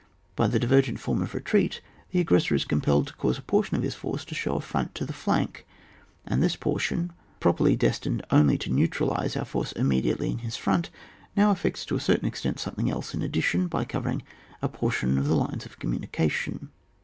By the divergent form of retreat, the aggressor is compelled to cause a portion of his force io show a front to the flank, and this* portion properly destined only to neutralise our force immediately in his front, now effects to a certain extent something else in addition, by covering a portion of the lines of communication.